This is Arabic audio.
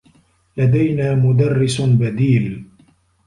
لدينا مدرّس بديل.